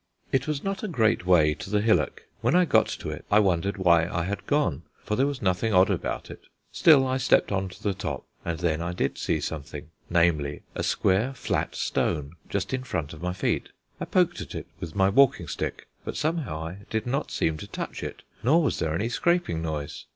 It was not a great way to the hillock. When I got to it I wondered why I had gone, for there was nothing odd about it. Still I stepped on to the top, and then I did see something, namely, a square flat stone just in front of my feet. I poked at it with my walking stick, but somehow I did not seem to touch it, nor was there any scraping noise.